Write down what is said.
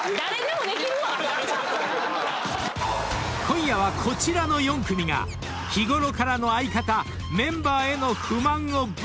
［今夜はこちらの４組が日ごろからの相方・メンバーへの不満をぶちまける！］